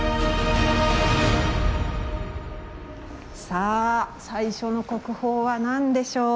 さあ最初の国宝は何でしょう。